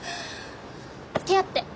つきあって。